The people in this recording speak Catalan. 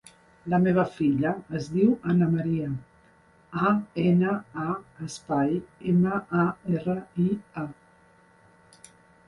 La meva filla es diu Ana maria: a, ena, a, espai, ema, a, erra, i, a.